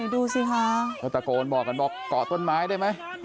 ดูสิคะเขาตะโกนบอกบอกก่อต้นไม้ได้ไหม